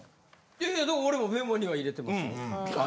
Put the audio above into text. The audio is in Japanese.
いやいや俺もメモには入れてますよ。